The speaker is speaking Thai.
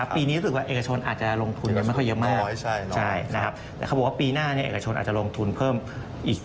ปีนี้อากจะลงทุนกันปีนี้คิดว่ามันก็เยอะมาก